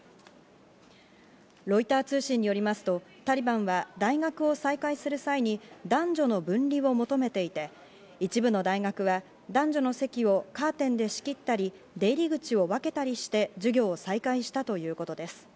ロイター通信によりますと、タリバンは大学を再開する際に男女の分離を求めていて、一部の大学は男女の席をカーテンで仕切ったり、出入り口を分けたりして授業を再開したということです。